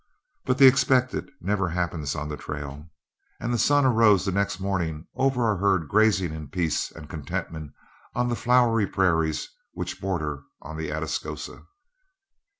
But the expected never happens on the trail, and the sun arose the next morning over our herd grazing in peace and contentment on the flowery prairies which border on the Atascosa.